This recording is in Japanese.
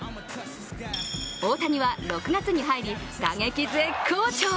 大谷は、６月に入り打撃絶好調。